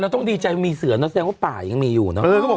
ต้องดีใจมีเสือนะแสดงว่าป่ายังมีอยู่เนอะ